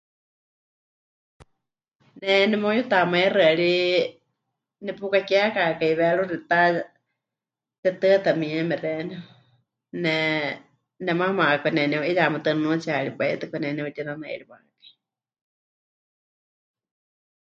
Ne nemeuyutamaixɨa ri nepukakekakai wéruxita, tetɨata mieme xeeníu, ne... nemaama kauka neneu'iyamatɨa nunuutsiyari pai tɨ, kauka neneutinanairiwákai.